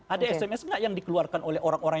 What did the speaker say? ada sms nggak yang dikeluarkan oleh orang orang